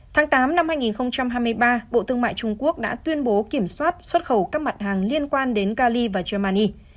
tháng tám năm hai nghìn hai mươi ba bộ tương mại trung quốc đã tuyên bố kiểm soát xuất khẩu các mặt hàng liên quan đến cali và germany